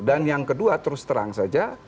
dan yang kedua terus terang saja